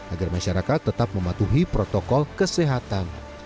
agar masyarakat tetap mematuhi protokol kesehatan